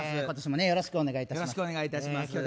今年もよろしくお願い致します。